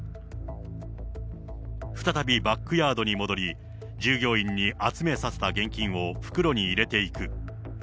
再びバックヤードに戻り、従業員に集めさせた現金を袋に入れていく。